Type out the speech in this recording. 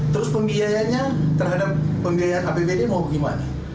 terus pembiayanya terhadap pembiayaan apbd mau gimana